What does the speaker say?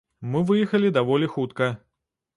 Мы выехалі даволі хутка.